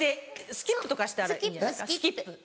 スキップとかしたらいいんじゃないですか？